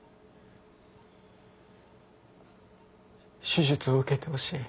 手術を受けてほしい。